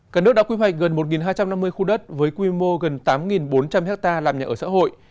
cả nước đã quy hoạch gần một hai trăm năm mươi khu đất với quy mô gần tám bốn trăm linh ha làm nhà ở xã hội